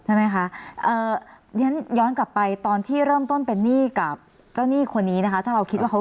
ใช่ไหมคะอย่างนั้นย้อนกลับไปตอนที่เริ่มต้นเป็นหนี้กับเจ้าหนี้คนนี้นะคะ